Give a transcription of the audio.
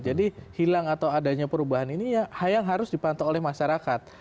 jadi hilang atau adanya perubahan ini ya yang harus dipantau oleh masyarakat